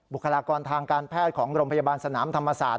บุคลากรทางการแพทย์ของโรงพยาบาลสนามธรรมศาสต